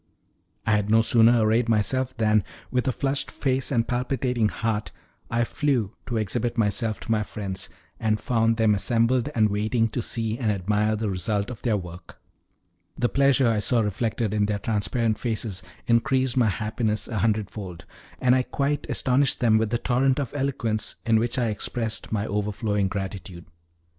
I had no sooner arrayed myself than, with a flushed face and palpitating heart, I flew to exhibit myself to my friends, and found them assembled and waiting to see and admire the result of their work. The pleasure I saw reflected in their transparent faces increased my happiness a hundredfold, and I quite astonished them with the torrent of eloquence in which I expressed my overflowing gratitude.